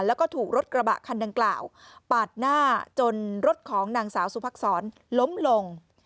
แล้วก็ถูกรถกระบะคันดังกล่าวปาดหน้าจนรถของนางสาวสุภักษรล้มลง